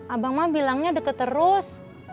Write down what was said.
abang mama bilangnya deket terus